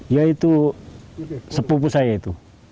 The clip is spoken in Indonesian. ya itu sepupu saya itu